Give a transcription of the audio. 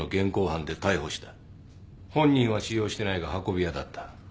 本人は使用してないが運び屋だった。